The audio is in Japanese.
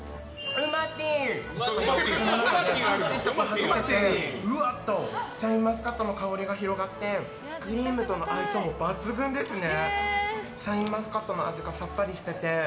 はじけて、ふわっとシャインマスカットの香りが広がってクリームとの相性も抜群ですね。